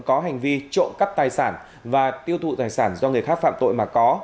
có hành vi trộn cắt tài sản và tiêu thụ tài sản do người khác phạm tội mà có